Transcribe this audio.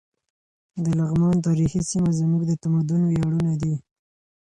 د لغمان تاریخي سیمې زموږ د تمدن ویاړونه دي.